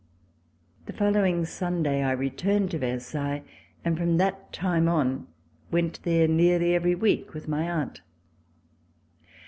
The following Sunday I returned to Versailles, and from that time on went there nearly every week with my aunt.